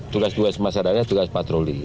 tugas dua semasa adanya tugas patroli